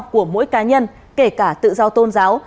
tự do của mỗi cá nhân kể cả tự do tôn giáo